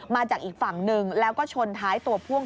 มาจากอีกฝั่งหนึ่งแล้วก็ชนท้ายตัวพ่วง